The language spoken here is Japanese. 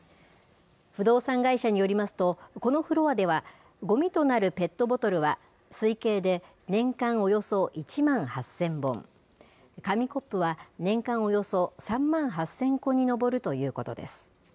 不動産会社によりますと、このフロアでは、ごみとなるペットボトルは推計で年間およそ１万８０００本、紙コップは年間およそ３万８０００個に上るということです。